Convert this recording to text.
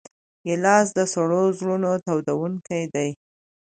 ګیلاس د سړو زړونو تودوونکی دی.